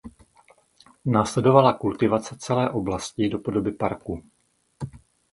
Následovala kultivace celé oblasti do podoby parku.